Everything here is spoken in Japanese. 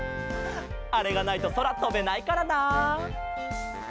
あれがないとそらとべないからな。